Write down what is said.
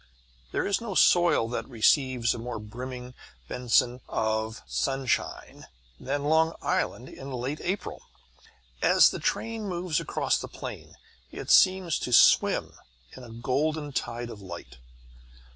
There is no soil that receives a more brimming benison of sunshine than Long Island in late April. As the train moves across the plain it seems to swim in a golden tide of light.